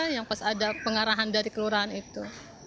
yang pas ada pengarahan dari kelurahan itu